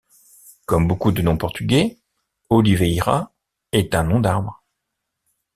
Comme beaucoup de noms portugais, Oliveira, est un nom d'arbre.